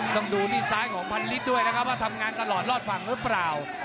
ต้องดูนี่ซ้ายของพันลิตรด้วยนะครับว่าทำงานตลอดรอดฝั่งหรือเปล่า